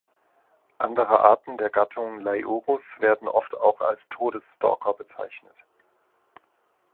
Andere Arten der Gattung "Leiurus" werden oft auch als "Todesstalker" bezeichnet.